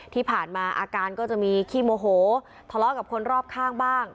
ที่ผ่านมาอาการก็จะมีขี้โมโหทะเลาะกับคนรอบข้างบ้าง